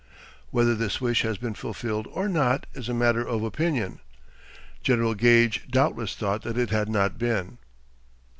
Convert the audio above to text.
Whether this wish has been fulfilled or not is a matter of opinion. General Gage doubtless thought that it had not been.